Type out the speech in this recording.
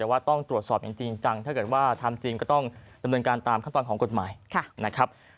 แต่ว่าต้องตรวจสอบอย่างจริงจังถ้าเกิดว่าทำจริงก็ต้องดำเนินการตามขั้นตอนของกฎหมายนะครับ